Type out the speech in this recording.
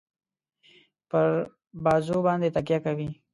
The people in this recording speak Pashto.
پر بازو باندي تکیه کوي.